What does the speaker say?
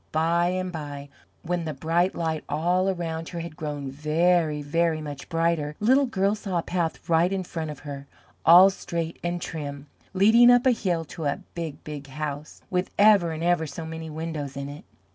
By and by, when the bright light all around her had grown very, very much brighter, Little Girl saw a path right in front of her, all straight and trim, leading up a hill to a big, big house with ever and ever so many windows in it.